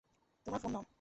তোমার ফোন নাও।